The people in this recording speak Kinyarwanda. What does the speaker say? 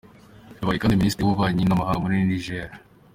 Yabaye kandi Minisitiri w’Ububanyi n’Amahanga muri Niger.